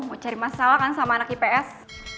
lo mau cari masalah kan sama anak gps